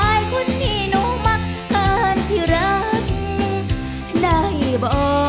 ไอคุณหนูมักเผินที่รักได้บ่